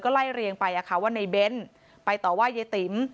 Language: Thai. ก็ไล่เลียงไปอะไรค่ะว่าในเบ้นไปต่อว่ายายติ๋ม